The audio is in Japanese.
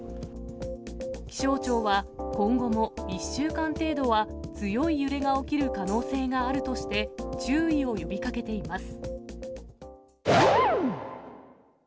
気象庁は、今後も１週間程度は強い揺れが起きる可能性があるとして、注意を呼びかけています。